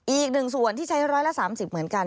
อีกหนึ่งส่วนที่ใช้๑๓๐เหมือนกัน